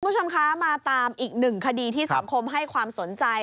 คุณผู้ชมคะมาตามอีกหนึ่งคดีที่สังคมให้ความสนใจ